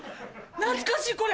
懐かしいこれ。